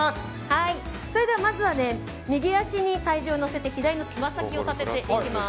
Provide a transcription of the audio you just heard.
それではまずは右足に体重を乗せて左のつま先を立てていきます。